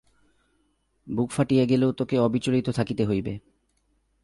বুক ফাটিয়া গেলেও তোকে অবিচলিত থাকিতে হইবে।